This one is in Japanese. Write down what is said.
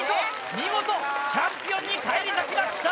見事チャンピオンに返り咲きました！